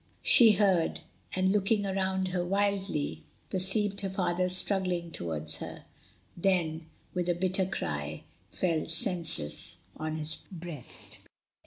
She heard, and, looking round her wildly, perceived her father struggling towards her; then, with a bitter cry, fell senseless on his breast.